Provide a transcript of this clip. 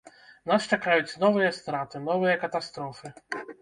Нас чакаюць новыя страты, новыя катастрофы.